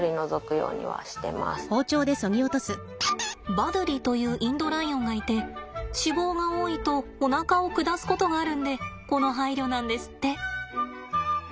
バドゥリというインドライオンがいて脂肪が多いとおなかを下すことがあるんでこの配慮なんですって。